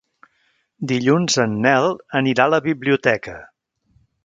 Dilluns en Nel anirà a la biblioteca.